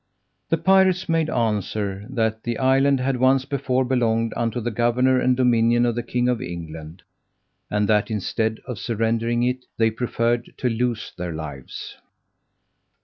The pirates made answer, that the island had once before belonged unto the government and dominions of the king of England, and that instead of surrendering it, they preferred to lose their lives.